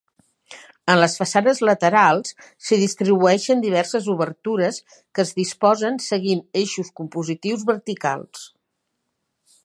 En les façanes laterals s'hi distribueixen diverses obertures que es disposen seguint eixos compositius verticals.